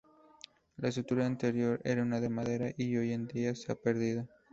La estructura interior era de madera y hoy en día se ha perdido.